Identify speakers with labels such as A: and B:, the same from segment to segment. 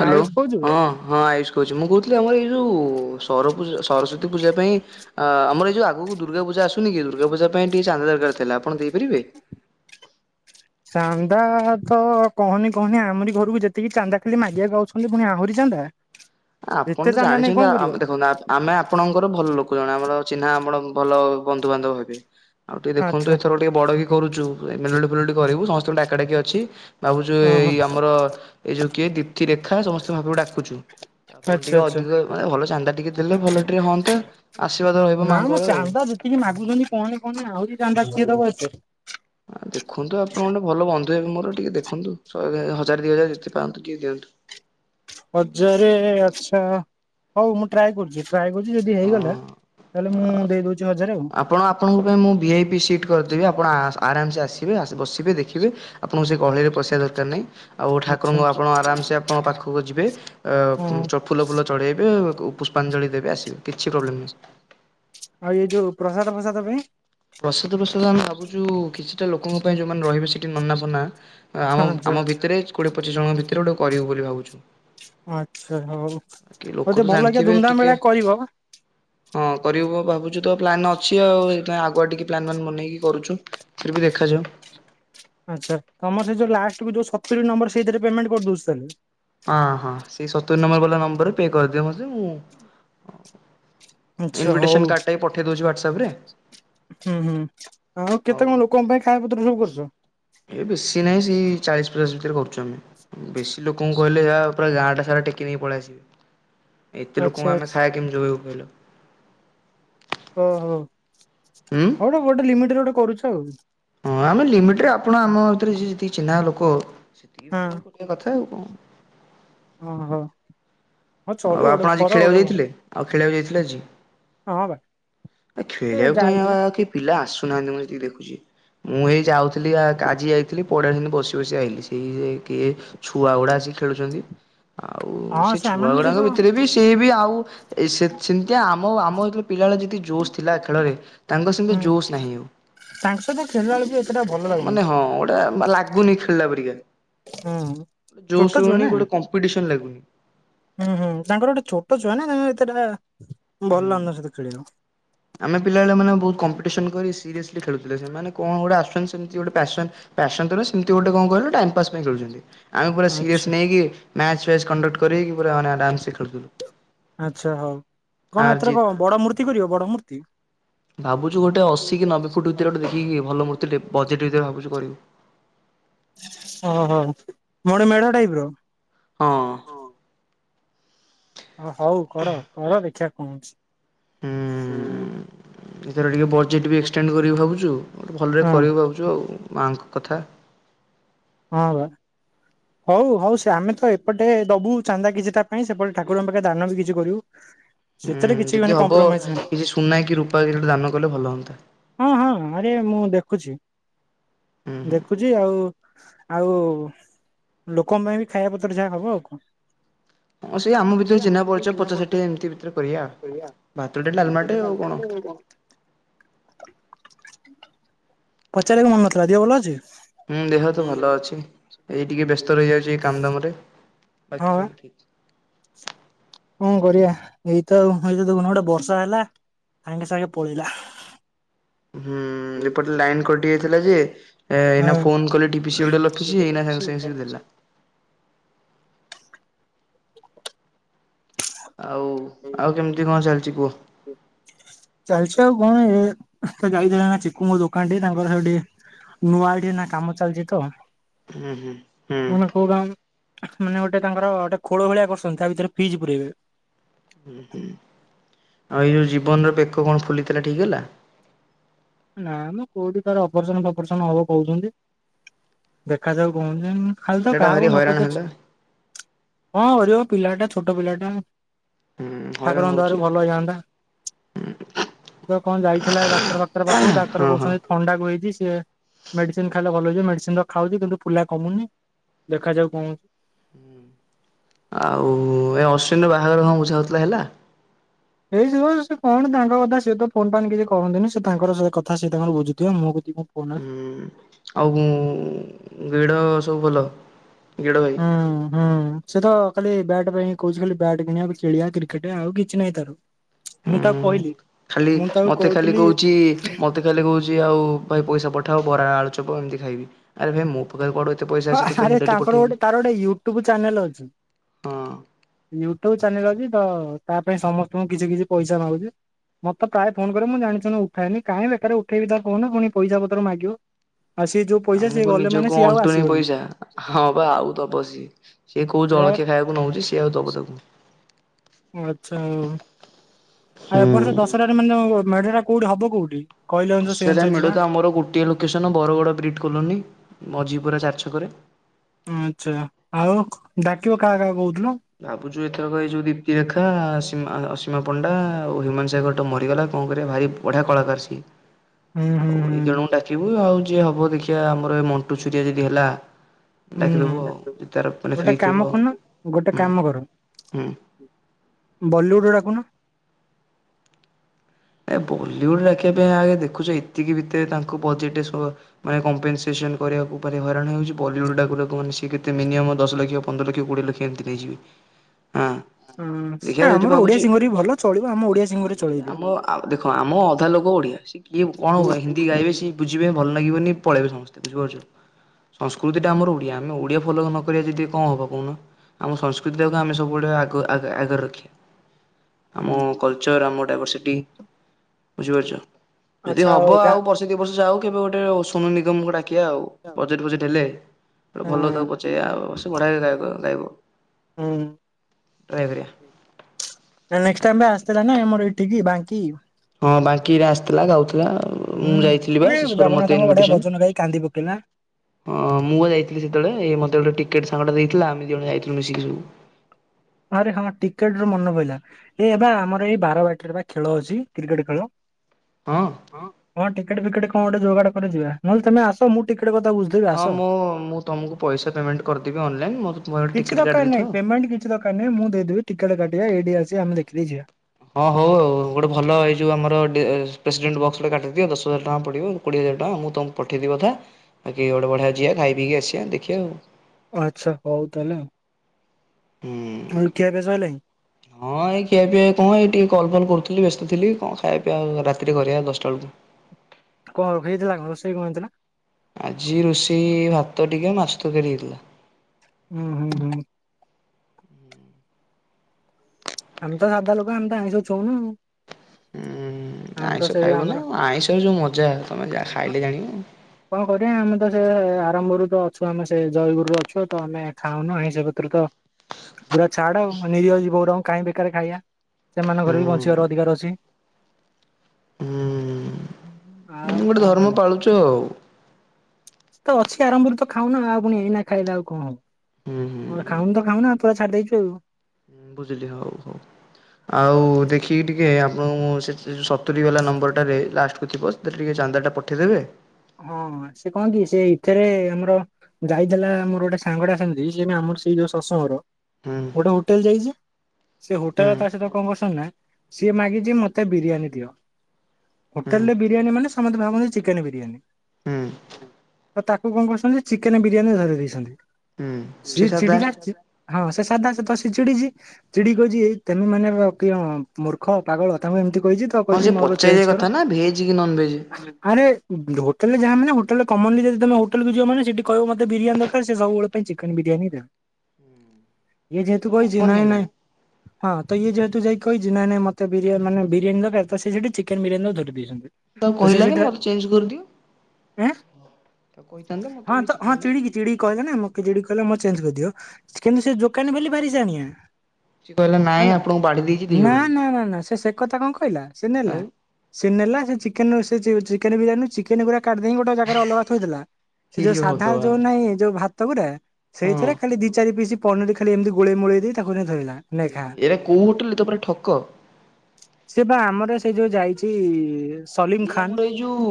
A: Hello
B: କହୁଛୁ?
A: ହଁ। ହଁ ଆୟୁଷ୍ କହୁଛି ମୁଁ କହୁଥିଲି ଆମର ଏଇ ଯୋଉ ସରପୂଜା ସରସ୍ଵତୀ ପୂଜା ପାଇଁ ଆ ଆମର ଏ ଯୋଉ ଆଗକୁ ଦୁର୍ଗା ପୂଜା ଆସୁନି କି ଦୁର୍ଗା ପୂଜା ପାଇଁ ଟିକେ ଚାନ୍ଦା ଦରକାର ଥିଲା ଆପଣ ଦେଇପାରିବେ?
B: ଚାନ୍ଦା ତ କହନି କହନି ଆମରି ଘରକୁ ଯେତିକି ଚାନ୍ଦା ଖାଲି ମାଗିବାକୁ ଯାଉଛନ୍ତି ପୁଣି ଆହୁରି ଚାନ୍ଦା? ଁ
A: ଆପଣ ତ ଜାଣିଛନ୍ତି ଆ ମ ଦେଖନ୍ତୂ ଆପ ଆମେ ଆପଣଙ୍କର ଭଲ ଲୋକ ଜଣେ ଆମର ଚିହ୍ନା ଆପଣ ଭଲ ବନ୍ଧୁବାନ୍ଧବ ହେବେ। ଆଉ ଟିକେ ଦେଖନ୍ତୁ
B: ଆଚ୍ଛା
A: ଏଥର ଟିକେ ବଡ କି କରୁଛୁ ଏ ମିଲୋଡି ଫେଲୋଡି କରିବୁ ସମସ୍ତଙ୍କୁ ଡ଼ାକାଡ଼ାକି ଅଛି ଭାବୁଛୁ
B: ଓହୋ
A: ଏଇ ଆମର ଏଇ ଯୋଉ କିଏ ଦୀପ୍ତିରେଖା ସମସ୍ତେ ଭାବରେ ଡାକୁଛୁ। ତ ଆପଣ
B: ଆଚ୍ଛା
A: ଟିକେ
B: ଆଚ୍ଛା
A: ଅଧିକ ମାନେ ଭଲ ଚାନ୍ଦା ଟିକେ ଦେଲେ ଭଲ ଟିରେ ହଅନ୍ତା ଆଶୀର୍ବାଦ ରହିବ
B: ନା ମ
A: ମାଆଙ୍କର ଆଉ।
B: ଚାନ୍ଦା ଯେତିକି ମାଗୁଛନ୍ତି କୁହନି କୁହନି ଆଉରି ଚାନ୍ଦା କିିଏ ଦବ ଏତେ?
A: ଆ ଦେଖନ୍ତୁ ଆପଣ ଗୋଟେ ଭଲ ବନ୍ଧୁ ହେବେ ମୋର ଟିକେ ଦେଖନ୍ତୁ ଶହେ ହଜାର ଦି ହଜାର ଯେତେ ପାଆନ୍ତୁ ଟିକେ ଦିଅନ୍ତୁ।
B: ହଜାରେ ଆଚ୍ଛା ହଉ ମୁଁ ଟ୍ରାଏ କରୁଛି। ଟ୍ରାଏ କରୁଛି ଯଦି ହେଇଗଲା
A: ହଁ।
B: ତାହେଲେ ମୁଁ ଦେଇଦଉଛି ହଜାରେ ଆଉ।
A: ଆପଣ ଆପଣଙ୍କ ପାଇଁ ମୁଁ ଭି ଆଇ ପି ସିଟ୍ କରିଦେବି ଆପଣ ଆ ଆରାମ ସେ ଆସିବେ ଆସ ବସିବେ ଦେଖିବେ ଆପଣଙ୍କୁ ସେ ଗହଳିରେ ପଶିବା ଦରକାର ନାହିଁ ଆଉ
B: ଆଚ୍ଛା
A: ଠାକୁରଙ୍କୁ ଆପଣ ଆରାମ ସେ ଆପଣ ପାଖକୁ ଯିବେ ଅ
B: ହଁ
A: ଚ ଫୁଲ ଫୁଲ ଚଢେଇବେ ପୁଷ୍ପାଞ୍ଜଳି ଦେବେ ଆସିବେ କିଛି ପ୍ରୋବ୍ଲେମ ନାହିଁ।
B: ଆଉ ଏଇ ଯୋଉ ପ୍ରସାଦ ଫ୍ରସାଦ ପାଇଁ?
A: ପ୍ରସାଦ ପ୍ରସାଦ ଆମେ ଭାବୁଛୁ କିଛିଟା ଲୋକଙ୍କ ପାଇଁ ଯୋଉମାନେ ରହିବେ ସେଠି ନନା ଫନା
B: ହଁ
A: ଆମ
B: ଆଚ୍ଛା
A: ଆମ ଭିତରେ କୋଡ଼ିଏ ପଚିଶ ଜଣଙ୍କ ଭିତରେ ଗୋଟେ କରିବୁ ବୋଲି ଭାବୁଛୁ।
B: ଆଚ୍ଛା ହଉ
A: ବାକି ଲୋକ ତ
B: ହଉଦେ ଭଲ କିଆ
A: ଜାଣିଥିବେ
B: ଧୁମଧାମ
A: ଟିକେ
B: ଭଳିଆ କରିବ ଆଁ।
A: ହଁ କରିବୁ ଭାବୁଛୁ ତ ପ୍ଲାନ ଅଛି ଆଉ ସେଥିପାଇଁ ଆଗ ପ୍ଲାନ ଫ୍ଲାନ ବନେଇକି କରୁଛୁ ଫିର ବି ଦେଖାଯାଉ।
B: ଆଚ୍ଛା ତମର ସେଇ ଯୋଉ ଲାଷ୍ଟକୁ ଯୋଉ ସତୁରି ନମ୍ବର ସେଇଥିରେ ପେମେଣ୍ଟ କରିଦଉଛି ତାହେଲେ?
A: ହଁ ହଁ ସେଇ ସତୁରି ନମ୍ବର ବାଲା ନମ୍ବରରେ ପେ କରିଦିଅ ମତେ ମୁଁ
B: ଆଚ୍ଛା ହଉ
A: ଇନଭିଟେସନ କାର୍ଡ ଟା ବି ପଠେଇ ଦଉଛି ହ୍ୱାଟ୍ଆପରେ।
B: ହୁଁ ହୁଁ ଆଉ କେତେ କଣ ଲୋକଙ୍କ ପାଇଁ ଖାଇବା ପତ୍ର ସବୁ କରୁଛ?
A: ଏ ବେଶୀ ନାହିଁ ସେଇ ଚାଳିଶ ପଚାଶ ଭିତରେ କରୁଛୁ ଆମେ। ବେଶୀ ଲୋକଙ୍କୁ କହିଲେ ଯା ପୁରା ଗାଁ ଟା ସାରା ଟେକି ନେଇ ପଳେଇ ଆସିବେ। ଏତେ
B: ଆଚ୍ଛା
A: ଲୋକଙ୍କୁ ଆମେ
B: ଆଚ୍ଛା
A: ଖାଇବା କେମିତି ଯୋଗେଇବୁ କହିଲ।
B: ଓହୋ
A: ହୁଁ
B: ହଉଟେ ଗୋଟେ ଲିମିଟରେ ଗୋଟେ କରୁଛ ଆଉ।
A: ହଁ ଆମେ ଲିମିଟ ରେ ଆପଣ ଆମ ଭିତରେ ସିଏ ଯେତିକି ଚିହ୍ନା ଲୋକ ସେତିକି ଭିତରେ
B: ହଁ
A: କରିବା କଥା ଆଉ କଣ।
B: ଓ ହୋ।
A: ଆଉ ଆପଣ ଆଜି ଖେଳିବାକୁ ଯାଇଥିଲେ ଆଉ ଖେଳିବାକୁ ଯାଇଥିଲେ ଆଜି।
B: ହଁ ବା
A: ଆ
B: ଏ
A: ଖେଳିବାକୁ ତ ଜମା
B: ଯାଇଥିଲି
A: କେହି ପିଲା ଆସୁନାହାନ୍ତି ମୁଁ ଯେତିକି ଦେଖୁଛି ମୁଁ ହେଇ ଯାଉଥିଲି ଆଜି ଯାଇଥିଲି ପଡ଼ିଆ ରେ ସେମିତି ବସି ବସି ଆଇିଲି ସିଏ କିଏ ଛୁଆ ଗୁଡା ଆସିିକି ଖେଳୁଛନ୍ତି ଆଉ
B: ହଁ
A: ସେ ଛୁ
B: ସେମାନଙ୍କ ସହିତ
A: ବି ସେ ବି ଆଉ ସେମିତି ଆମ ଆମ ଯେତେବେଳେ ପିଲାବେଳେ ଯେତିକି ଜୋସ୍ ଥିଲା ଖେଳରେ ତାଙ୍କ
B: ହୁଁ
A: ସେମିତି ଜୋସ୍ ନାହିଁ ଆଉ।
B: ତାଙ୍କ ସହିତ ଖେଳିଲା ବେଳକୁ ଏତେଟା ଭଲ ଲାଗୁନି
A: ମାନେ ହଁ ଗୋଟେ ଲାଗୁନି ଖେଳିଲା ପରିକା।
B: ହୁଁ ଛୋଟ
A: ଜୋସ୍
B: ଛୁଆ ନା
A: ହଉନି ଗୋଟେ କମ୍ପିଟିସନ ଲାଗୁନି।
B: ହୁଁ ହୁଁ ତାଙ୍କର ଗୋଟେ ଛୋଟ ଛୁଆ ନା ଏତେଟା ଭଲ ଲାଗୁନି ତା ସହିତ ଖେଳିବାକୁ।
A: ଆମେ ପିଲାବେଳେମାନେ ବହୁତ କମ୍ପିଟିସନ୍ନ କରି ସିରିଅସ୍ଲି ଖେଳୁଥିଲେ ସେମାନେ କଣ ଗୋଟେ ଆସୁଛନ୍ତି ସେମିତି ଗୋଟେ ପ୍ୟାସନ୍ ପ୍ୟାସନ ତ ସେମିତି ଗୋଟେ କଣ କହିଲୁ ଟାଇମ ପାସ ପାଇଁ ଖେଳୁଛନ୍ତି। ଆମେ ପୁରା ସିରିୟସ୍
B: ଆଚ୍ଛା
A: ନେଇକି ମ୍ୟାଚ୍ ପ୍ୟାଚ୍ଚ୍ କଣ୍ଡକ୍ଟ କରିକି ପୁରା ମାନେ ଆରାମ ସେ ଖେଲୁଥିଲୁ।
B: ଆଚ୍ଛା ହଉ କଣ ଏଥର
A: ଜିତ୍
B: ବଡ ମୂର୍ତ୍ତି କରିବ ବଡ ମୂର୍ତ୍ତି?
A: ଭାବୁଚୁ ଗୋଟେ ଅଶୀ କି ନବେ ଫୁଟ୍ ଭିତରେ ଗୋଟେ ଦେଖିକି ଭଲ ମୂର୍ତ୍ତିଟେ ବଜେଟ୍ ଭିତରେ ଭାବୁଚୁ କରିବୁ।
B: ଓହୋ ଗୋଟେ ମେଢ ଟାଇପ ର?
A: ହଁ।
B: ଓ ହଉ କର କର ଦେଖିବା କଣ ହୋଉଛି ହୁଁ।
A: ଏଥର ଟିକେ ବଜେଟ୍ ବି ଏକ୍ସଟେଣ୍ଡ କରିବୁ ଭାବୁଛୁ ଭଲରେ କରେଇବୁ
B: ହଁ।
A: ଭାବୁଛୁ ଆଉ। ମାଆଙ୍କ କଥା।
B: ହଁ ବା। ହଉ ହଉ ସେ ଆମେ ତ ଏପଟେ ଦବୁ ଚାନ୍ଦା କିଛିଟା ପାଇଁ ସେପଟେ ଠାକୁରଙ୍କ ପାଖରେ ଦାନ ବି କିଛି କରିବୁ। ହ। [unintelligible]
A: ହୁଁ ଯଦି ହବ କିଛି ସୁନା କିି ରୂପା କିଛି ଗୋଟେ ଦାନ କଲେ ଭଲ ହୁଅନ୍ତା।
B: ହଁ ହଁ ଆରେ ମୁଁ ଦେଖୁଛି
A: ହୁଁ ହୁଁ।
B: ଦେଖୁଛି ଆଉ। ଆଉ ଲୋକଙ୍କ ପାଇଁ ବି ଖାଇବା ପତ୍ର ଯାହା ହବ ଆଉ କଣ।
A: ହଁ ସେଇ ଆମ ଭିତରେ ଚିହ୍ନା ପରିଛ ପଚାଶ ଷାଠିଏ ଏମିତି ଭିତରେ କରିବା ଆଉ ଭାତଟେ ଡାଲମାଟେ ଆଉ କଣ।
B: ପଚାରିବାକୁ ମନ ନଥିଲା ଧିଅ ଭଲ ଅଛି?
A: ହୁଁ ଦେହ ତ ଭଲ ଅଛି ଏଇ ଟିକେ ବ୍ୟସ୍ତ ରହିଯାଉଛି ଏ କାମ ଦାମ ରେ
B: ହଁ
A: ବାକି ସବୁ ଠିକ୍।
B: ହଁ କରିବା ଏଇ ତ ଆଉ ହେଇ ତ ଦେଖୁନା ଗୋଟେ ବର୍ଷା ହେଲା ସାଙ୍ଗେ ସାଙ୍ଗେ ପଳେଇଲା।
A: ହୁଁ ଏପଟେ ଲାଇନ କଟି ଯାଇଥିଲା ଯେ ଏ ଏଇନା
B: ହଁ
A: ଫୋନ କଲେ T P C O D L office ଏଇନା ସାଙ୍ଗେ ସାଙ୍ଗେ ସିଏ ଦେଲା। ଆଉ ଆଉ କେମିତି କଣ ଚାଲିଛି କୁହ?
B: ଚାଲିଛି ଆଉ କଣ ଏ ତ ଯାଇଥିଲା ନା ଚିକୁ ମୋ ଦୋକାନ ଟେ ତାଙ୍କ ଠାରୁ ଟିକେ ନୂଆ ଆଡି ନା କାମ ଚାଲିଛି ତ
A: ହୁଁ ହୁଁ ହୁଁ
B: ମାନେ କୋଉ ଗାଁ? ମାନେ ଗୋଟେ ତାଙ୍କର ଗୋଟେ ଖୋଳ ଭଳିଆ କରୁଛନ୍ତି ତା ଭିତରେ ଫ୍ରିଜ୍ ପୁରେଇବେ
A: ହୁଁ ହୁଁ ଆଣ୍ଠୁ କଣ ଫୁଲିଥିଲା ଠିକ୍ ହେଲା?
B: ନା ମ କୋଉଠି ତାର ଅପରେସନ ଫପରେସନ ହବ କହୁଛନ୍ତି। ଦେଖାଯାଉ କଣ ହଉଛି। ଖାଲି ତ
A: ପିଲାଟା ଭାରି
B: କାହାକୁ ନ
A: ହଇରାଣ
B: ପଚାର
A: ହେଲା
B: କଣ କରିବ ପିଲାଟା ଛୋଟ ପିଲାଟା।
A: ହୁଁ ହଇରାଣ
B: ଠାକୁରଙ୍କ
A: ହଉଛି
B: ଦୟାରୁ ଭଲ ହେଇଯାଆନ୍ତା। କଣ ଯାଇଥିଲା ଡାକ୍ତର ଫାକ୍ତର ପା
A: ହଁ ହଁ।
B: ଥଣ୍ଡାକୁ ହେଇଛି ସିଏ ମେଡ଼ିସିନ ଖାଇଲେ ଭଲ ହେଇଯିବ ମେଡ଼ିସିନ ତ ଖାଉଛି କିନ୍ତୁ ଫୁଲା କମୁନି। ଦେଖାଯାଉ କଣ ହ
A: ହୁଁ। ଆଉ ଏ ଅଶ୍ୱିନର ବାହାଘର କଣ ବୁଝାହଉଥିଲା ହେଲା।
B: ଏଇ ସେ କଣ ସେ କଣ ତାଙ୍କ କଥା ସିଏ ତ ଫୋନ ଫାନ କିଛି କରନ୍ତିନି ସେ ତାଙ୍କର ସେ କଥା ସେ ତାଙ୍କର ବୁଝୁଥିବେ ମୁଁ କିଛି [unintelligible]
A: ହୁଁ ଆଉ ଉଁ ଗିଡ ସବୁ ଭଲ ଗିଡ ଭା
B: ହୁଁ ହୁଁ। ଉଁ ସେ ତ ଖାଲି ବ୍ୟାଟ ପାଇଁ କହୁଛି ଖାଲି ବ୍ୟାଟ କିଣିବା ଖେଳିବା କ୍ରିକେଟ ଆଉ କିଛି ନାହିଁ ତାର। ମୁଁ ତାକୁ
A: ହୁଁ।
B: କହିଲି ମୁଁ ତାକୁ କହୁଥିଲି।
A: ଇ ମତେ ଖାଲି କହୁଛି ଆଉ ଭାଇ ପଇସା ପଠା ବରା, ଆଳୁ ଚପ ଏମିତି ଖାଇବି। ଆରେ ଭାଇ ମୋ ପାଖରେ କୁଆଡୁ ଏତେ ପଇସା ଆସିବ ତତେ ମୁଁ ଡେଲି ପଠେଇବି।
B: ଏଟା ଗୋଟେ ୟୁ ଟୁବୁ ଚ୍ୟାନେଲ୍ ଅଛି।
A: ହଁ।
B: ୟୁ ଟ୍ୟୁବ ଚ୍ୟାନେଲ ଅଛି ତ ତା ପାଇଁ ସମସ୍ତଙ୍କୁ କିଛି କିଛି ପଇସା ମାଗୁଛି। ମତେ ପ୍ରାୟ ଫୋନ କରେ ମୁଁ ଜାଣି ଶୁଣି ଉଠାଏନି କାହିଁ ବେକାରେ ଉଠେଇବି ତା ଫୋନ ପୁଣି ପଇସା ପତ୍ର ମାଗିବ। ଆଉ ସିଏ ଯୋଉ ପଇସା ସିଏ
A: ଆମକୁ
B: ଗଲେ ମାନେ
A: ନିଜକୁ
B: ସିଏ ଆଉ ଆସି
A: ଅଣ୍ଟୁନି ପଇସା ହଁ ପା ଆଉ ଦବ ସିଏ ସିଏ କୋଉ ଜଳଖିଆ ଖାଇବାକୁ ନଉଛି ସିଏ ଆଉ ଦବ ତାକୁ।
B: ଉଁ ଆଚ୍ଛା। ଆଉ ଏ
A: ହୁଁ।
B: ବର୍ଷ ଦଶହରାରେ ମାନେ ମେଢ ଟା କୋଉଠି ହବ କୋଉଠି? କହିଲେ ଅନୁସାରେ ସେଇ
A: ଦଶହରା
B: ଅନୁସାରେ
A: ମେଢ଼
B: ଯିବା।
A: ତ ଆମର ଗୋଟିଏ ଲୋକେସନ ବରଗଡ ବ୍ରିଟ କଲୋନୀ ମଝି ପୁରା ଚାରି ଛକରେ।
B: ଉଁ ଆଚ୍ଛା ଆଉ ଡାକିବ କାହା କାହା କହୁଥିଲ?
A: ଭାବୁଛୁ ଏଥରକ ଏଇ ଯୋଉ ଦୀପ୍ତି ରେଖା ଅସୀମା ଅସିମା ପଣ୍ଡା ଆଉ ହ୍ୟୁମାନ ସାଗର ତ ମରିଗଲା କଣ କରିବା ଭାରି ବଢିଆ କଳାକାର ସିଏ।
B: ହୁଁ ହୁଁ ହୁଁ।
A: [unintelligible] ଡାକିବୁ ଆଉ ଯିଏ ହବ ଦେଖିବା ଆମର ଏ ମଣ୍ଟୁ ଚୁରିଆ ଯଦି ହେଲା।
B: ହୁଁ
A: ଡାକିଦବୁ ଆଉ
B: ହୁଁ
A: ଯଦି ତାର ମାନେ
B: ଗୋଟେ
A: ଫ୍ରି
B: କାମ
A: ଥିବ।
B: କରୁନ ଗୋଟେ
A: ହୁଁ
B: କାମ କର
A: ହୁଁ
B: ବଲିଉଡ ଡାକୁନ।
A: ଏ ବଲିଉଡ ଡାକିବା ପାଇଁ ଆଗେ ଦେଖୁଛ ଏତିକି ଭିତରେ ତାଙ୍କୁ ବଜେଟ ଇସୁ। ମାନେ କମ୍ପେନସିଏସନ କରିବାକୁ [unintelligible] ହଇରାଣ ହେଉଛି ବଲିଉଡ ଡାକୁ ଡାକୁ ମାନେ ସି କେତେ ମିନିଅମ୍ ଦଶ ଲକ୍ଷ, ପନ୍ଦର ଲକ୍ଷ, କୋଡ଼ିଏ ଲକ୍ଷ ଏମିତି ନେଇଯିବେ। ହଁ
B: ହୁଁ
A: ଦେଖିବା
B: ଏ
A: ଯଦି
B: ଆମର ଓଡିଆ
A: ଭାବୁଛି
B: ସିଙ୍ଗର ବି ଭଲ ଚଳିବ ଆମ ଓଡିଆ ସିଙ୍ଗରରେ ଚଳେଇ ଦିିଅ।
A: ଆଉ ଦେଖ ଆମ ଅଧା ଲୋକ ଓଡ଼ିଆ ସେ କିଏ କଣ ହିନ୍ଦୀ ଗାଇବେ ସିଏ। ବୁଝିବେ ଭଲ ଲାଗିବନି ପଳେଇବେ ସମସ୍ତେ ବୁଝିପାରୁଛ। ସଂସ୍କୃତିଟା ଆମର ଓଡ଼ିଆ ଆମେ ଓଡ଼ିଆ ଫଲୋ ନ କରିବା ଯଦି କଣ ହବ କହୁନ। ଆମ ସଂସ୍କୃତି ଟାକୁ ଆମେ ସବୁବେଳେ ଆଗ ଆଗେ ଆଗରେ ରଖିବା।
B: ହୁଁ
A: ଆମ କଲଚର ଆମ ଡାଇଭର୍ସିଟି। ବୁଝିପାରୁଛ ଯଦି
B: ଆଚ୍ଛା
A: ହବ
B: ଗାଁ
A: ଆଉ ବର୍ଷେ ଦି ବର୍ଷ ଯାଉ କେବେ ଗୋଟେ ଓ ସୋନୁ ନିଗମକୁ ଡାକିବା ଆଉ। ବଜେଟ ଫଜେଟ ହେଲେ ପୁରା ଭଲ
B: ହୁଁ
A: ତାକୁ ପଚାରିବ ଆଉ ସେ ବଢିଆ ବାଗରେ ଗାଇବ।
B: ହୁଁ।
A: ଗାଇ ପାରିବା।
B: ନା ନେକ୍ସ ଟାଇମ ପାଇ ଆସିଥିଲା ନା ଆମର ଏଠିକି ବାଙ୍କି।
A: ହଁ ବାଙ୍କିରେ ଆସିଥିଲା ଗାଉଥିଲା
B: ହୁଁ
A: ମୁଁ ଯାଇଥିଲି ବା
B: ଏ
A: ଶିଶରେ ମୋତେ
B: ଜଗନ୍ନାଥଙ୍କ ବଢିଆ
A: ଇନଭିଟେସନ୍।
B: ଭଜନ ଗାଇ କାନ୍ଦି ପକେଇଲା
A: ହଁ ମୁଁ ପା ଯାଇଥିଲି ସେତେବେଳେ ଏ ମତେ ଗୋଟେ ଟିକେଟ ସାଙ୍ଗଟା ଦେଇଥିଲା ଆମେ ଦି ଜଣ ଯାଇଥିଲୁ ମିଶିକି ସବୁ।
B: ଆରେ ହଁ ଟିକେଟ ରୁ ମନ ପଇଲା। ଏ ଏ ବା ଆମର ଏଇ ବାର ବାଟୀରେ ବା ଖେଳ ଅଛି କ୍ରିକେଟ ଖେଳ।
A: ହଁ।
B: ହ କ ଟିକେଟ ଫିକେଟ କଣ ଗୋଟେ ଯୋଗାଡ଼ କରି ଯିବା ନହେଲେ ତମେ ଆସ ମୁଁ ଟିକେଟ କଥା ବୁଝି ଦେବି।
A: ହଁ ମୁଁ ମୁଁ ତୁମକୁ ପଇସା ପେମେଣ୍ଟ କରିଦେବି ଅନନ୍ଲାଇନ୍ ମୋତ ତମ ଟିକେଟ୍ କାଟି ଦେଇଥାଅ।
B: କିଚି ଦରକାର ନାହିଁ ମୁଁ ଦେଇଦେବି ଟିକେଟ କଟିବା ଏଇଠି ଆସିକି ଆମେ ଦେଖିଦେଇ ଯିବା।
A: ହଁ ହଉ ଆଉ ଗୋଟେ ଭଲ ଏଇ ଯୋଉ ଆମର ପ୍ରେସିଡେଣ୍ଟ ବକ୍ସ ରେ କାଟିଦିଅ ଦଶ ହଜାର ଟଙ୍କା ପଡିବ ଆଉ। କୋଡ଼ିଏ ହଜାର ଟଙ୍କା ମୁଁ ତମକୁ ପଠେଇଦବି ଅଧା ବାକି ବଢିଆ ଯିବା ଖାଇ ପିଇକି ଆସିବା। ଦେଖିବା ଆଉ।
B: ଆଚ୍ଛା ହଉ ତାହଲେ ଆଉ।
A: ହୁଁ
B: ଖିଆ ପିଆ ସଇଲାଣି
A: ହଁ ଏଇ ଖିଆ ପିଆ କଣ ଏଇ ଟିକେ କଲ ଫଲ୍ କରୁ ଥିଲି ବ୍ୟସ୍ତ ଥିଲି କଣ ଖାଇବା ପିଇବା ଆଉ ରାତିରେ କରିବା ଦଶଟା ବେଳକୁ।
B: କଣ ହେଇଥିଲା କଣ ରୋସେଇ କଣ ହେଇଥିଲା?
A: ଆଜି ରୋଷେଇ ଭାତ ଟିକେ ମାଛ ତରକାରି ଦେଇଥିଲା।
B: ହୁଁ ହୁଁ ହୁଁ। ଆମେ ତ ସାଧା ଲୋକ ଆମ ତ ଆଇଁଷ ଛୁଉନୁ।
A: ହୁଁ ଆଇଁଷ
B: ଆମର
A: ଖାଇବୁନୁ ଆଇଁଷରେ ଯୋଉ ମଜା ତମେ ଯା ଖାଇଲେ ଜାଣିବ ନା।
B: କଣ କରିବା ଆମେ ତ ସେ ଆରମ୍ଭରୁ ତ ଅଛୁ, ଆମେ ସେ ଜୟଗୁରରେ ଅଛୁ ତ ଆମେ ଖାଉନୁ ଆଇଁସ ପତ୍ର ତ ପୁରା ଛାଡ ଆଉ ନିରହ ଜୀବ ଗୁରାଙ୍କୁ କାହିଁ ବେକାର ଖାଇବା
A: ହୁଁ
B: ସେମାନଙ୍କର ବି ବଞ୍ଚିବାର ଅଧିକାର ଅଛି।
A: ହୁଁ
B: ଆଉ
A: ମୁଁ ଗୋଟେ
B: କଣ
A: ଧର୍ମ
B: ଆଉ
A: ପାଳୁଚୁ ଆଉ।
B: ତ ଅଛି ଆରମ୍ଭରୁ ତ ଖାଉନା ଆଉ ପୁଣି ଏଇନା ଖାଇଲେ ଆଉ କଣ ହବ?
A: ହୁଁ ହୁଁ।
B: ହ ଖାଉନ ତ ଖାଉ ନୁ ଆଉ ପୁରା ଚ୍ଛାଡିଦେଇଛୁ ଆଉ।
A: ବୁଝିଲି ହଉ ହଉ ଆଉ ଦେଖିକି ଟିକେ ଆପଣଙ୍କୁ ସେ ଯ ସପ୍ ସତୁରୀ ବାଲା ନମ୍ବରଟାରେ ଲାଷ୍ଟକୁ ଥିବ ସେଥିରେ ଟିକେ ଚାନ୍ଦାଟା ପଠେଇଦେବେ।
B: ହଁ ସେ କଣ କି ସେ ଏଥିରେ ଆମର ଯାଇଥିଲା ମୋର ଗୋଟେ ସାଙ୍ଗଟା ସେମିତି ସେ ବି ଆମର ସେଇ ଯୋଉ ସତ୍ସଂଗର୍।
A: ହୁଁ।
B: ସେ ହୋଟେଲ ଯାଇଚି ସେ ହୋଟେଲ ର
A: ହୁଁ
B: ତା ସହିତ କଣ କରିଚନ୍ତି ନା। ସିଏ ମାଗିଚି ମତେ ବିରିୟାନୀ ଦିଅ
A: ହୁଁ
B: ହୋଟେଲରେ ବିରିୟାନୀ ମାନେ ସେ ସମତେ ଭାବନ୍ତି ଚିକେନ ବିରିୟାନୀ।
A: ହୁଁ
B: ତ ତାକୁ କଣ କରିଚନ୍ତି ଚିକେନ ବିରିୟାନୀ ଧରେଇ ଦେଇଚନ୍ତି
A: ହୁଁ ସେ
B: ସିଏ
A: ସାଧା
B: ଚିଡିଲା ଚି ହଁ ସେ ସାଧା ସେ ତ ସ ଚିଡିଚି। ଚିଡିକି କହିଛି ଏଇ ତେମେ ମାନେ ର କିଅ ମୂର୍ଖ ପାଗଳ ତାଙ୍କୁ ଏମିତି କହିଚି ତ ତ
A: ହଁ
B: କହିଚି
A: ସେ
B: ମୋର
A: ପଚାରିବା
B: ଚେଞ୍ଚ୍
A: କଥା
B: କର
A: ନା ଭେଜ କି ନନ ଭେଜ।
B: ଆରେ ବ ହୋଟେ ଲ ଯାହାବି ନେ ହୋଟେଲରେ କମ୍ନଲି ଯଦି ତମେ ହୋଟେଲକୁ ଯିବ ମାନେ ସେଠି କହିବ ମତେ ବିରିୟାନି ଦରକାର ସେ ସବୁବେଳେ ପାଇଁ ଚିକେନ ବିରିୟାନି ହିଁ ଦେବେ। ଇଏ
A: ସେଟା
B: ଯେହେତୁ କହିଚି
A: କମନ
B: ନାଇଁ
A: ହେଲାଣି
B: ନାଇଁ। ହଁ ତ ଇଏ ଯେହେତୁ ଯାଇ କହିଛି ନାଇଁ ନାଇଁ ମତେ ବିରିୟାନି ମାନେ ବିରିୟାନୀ ଦରକାର ତ ସିଏ ସେଠି ଚିକେନ ବିରିୟାନୀ ତାକୁ ଧରେଇ ଦେଇଛନ୍ତି।
A: ତାଙ୍କୁ
B: ତ ସେ
A: କହିଲାନି
B: ସେଠି
A: ମୋର ଚେଞ୍ଜ କରିଦିଅ
B: ଏଁ
A: ତାଙ୍କୁ କହିଥାନ୍ତା
B: ହଁ
A: ମତେ
B: ତ
A: ଭାଇ
B: ହଁ
A: ଚିକେନ ନାହିଁ
B: ଚିଡିକି ଚିଡିକି କହିଲ ନା ମୋ ଚିକିଡି କହିଲା ମୋ ଚେଞ୍ଜ କରିଦିଅ କିନ୍ତୁ ସେ ଦୋକାନୀ ବାଲି ଭାରି ସିଆଣିଆ।
A: ସିଏ କହିଲା ନାଇଁ
B: ହେଲା
A: ଆପଣଙ୍କୁ ବାଢି ଦେଇଛି ଦେଇ
B: ନା
A: ହବନି
B: ନା ନା ନା ସେ ସେ କଥା କଣ କହିଲା ସେ ନେଲା।
A: ଆଉ
B: ସେ ନେଲା ସେ ଚିକେନ୍ ରୁ ଚିକେନ ବିରିୟାନୀରୁ ଚିକେନ ଗୁରା କାଢିଦେଇ ଗୋଟେ ଜାଗାରେ ଅଲଗା ଥୋଇଦେଲା। ସେ
A: ହେ
B: ଯୋଉ ସାଧା
A: ଭଗବାନ
B: ଯୋଉ ନାହିଁ ଏ ଯୋଉ ଭାତ ଗୁରା
A: ହଁ
B: ସେଇଥେରେ ଖାଲି ଦି ଚାରି ପିଶ୍ ପନିର୍ ଖାଲି ଏମ୍ତି ଗୋଳେଇ ମୋଳଇ ଦେଇ ତାକୁ ନେଇ ଧରେଇଲା।
A: ଏରା କୋଉ ହୋଟେଲ ଏ ତ ପୁରା ଠକ।
B: ସେ ବା ଆମର ସେ ଯୋଉ ଯାଇଚି
A: ଏଇ ଆମର ଏଇ ଯୋଉ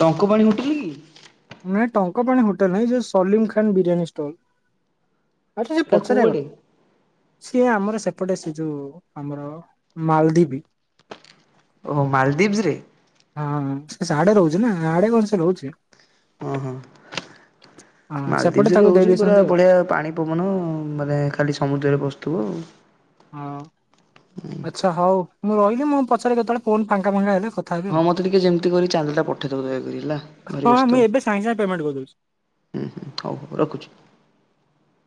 A: ଟଙ୍କପାଣୀ ହୋଟେଲ୍ କି?
B: ନାଇଁ ଟଙ୍କପାଣି ହୋଟେଲ୍ ନାହିଁ, ସେ ସଲିମ୍ ଖାନ୍ ବିରିୟାନୀ ଷ୍ଟଲ୍। ଆଚ୍ଛା ସେ
A: ଏଟା
B: ପଚାରିଆ
A: କୋଉଆଡେ?
B: କଥା। ସିଏ ଆମର ସେପଟେ ସେ ଯୋଉ ଆମର ମାଲ୍ଧିପି।
A: ଓହୋ, ମାଲଦୀବ୍ସରେ?
B: ହଁ ସେ ସାଡେ ରହୁଚି ନା, ଆଡେ କଣ ସେ ରହୁଚି।
A: ଓହୋ,
B: ହଁ ସେପଟେ
A: ମାଲଦୀପ୍ସରେ
B: ତାକୁ ଦେଇ
A: ରହୁଚି ପୁରା
B: ଦେଇଛନ୍ତି ଆଉ।
A: ବଢିଆ ପାଣି ପବନ ମାନେ ଖାଲି ସମୁଦ୍ରରେ ବସୁଥିବ ଆଉ।
B: ହଁ ଆଚ୍ଛା ହଉ ମୁଁ ରହିଲି, ମୁଁ ପଛେରେ କେତେବେଳେ ଫୋନ୍ ଫାଙ୍କା-ଫାଙ୍କା ହେଲେ କ
A: ହଁ ମତେ ଟିକେ ଯେମ୍ତି କରି ଚାନ୍ଦା ଟା ପଠେଇଦବ ଦୟାକରି ହେଲା ଭାରି
B: ହଁ ମୁଁ
A: ବ୍ୟସ୍ତ।
B: ଏବେ ସାଙ୍ଗେ ସାଙ୍ଗେ ପେମେଣ୍ଟ କରିଦଉଛି।
A: ହୁଁ-ହୁଁ ହଉ-ହଉ ରଖୁଚି।